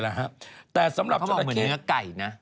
เขาบอกเหมือนงั้นกับไก่นะ